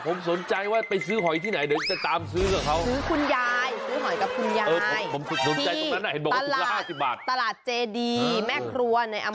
ก็ในอำเภอสันทรายที่เชียงใหม่